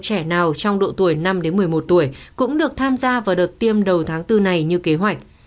trẻ nào trong độ tuổi năm một mươi một tuổi cũng được tham gia vào đợt tiêm đầu tháng bốn này như kế hoạch